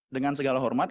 dengan segala hormat